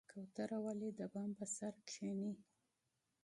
کوتره ولې د بام پر سر کیني؟